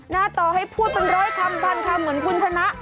ต่อให้พูดเป็นร้อยคำพันคำเหมือนคุณชนะ